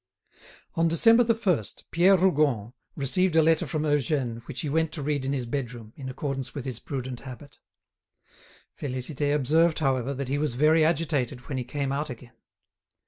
On December 1, Pierre Rougon received a letter from Eugène which he went to read in his bedroom, in accordance with his prudent habit. Félicité observed, however, that he was very agitated when he came out again.